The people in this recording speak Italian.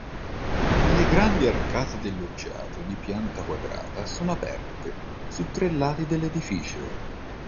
Le grandi arcate del loggiato di pianta quadrata sono aperte su tre lati dell'edificio.